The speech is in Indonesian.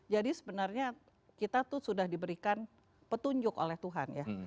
jadi sebenarnya kita itu sudah diberikan petunjuk oleh tuhan ya